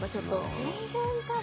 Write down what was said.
全然多分。